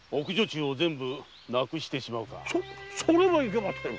それはいけませぬ！